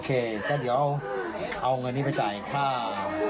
โอเคก็เดี๋ยวเอาเงินที่มาจ่ายค่ะ